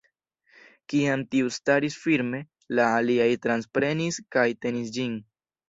Kiam tiu staris firme, la aliaj transprenis kaj tenis ĝin.